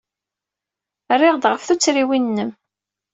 Rriɣ-d ɣef tuttriwin-nnem.